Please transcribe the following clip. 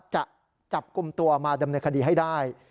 จะจับกลุ่มตัวมาดำเนินคดีให้ได้